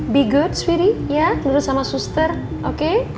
be good sweety ya duduk sama suster oke